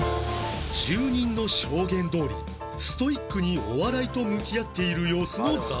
住人の証言どおりストイックにお笑いと向き合っている様子の ＺＡＺＹ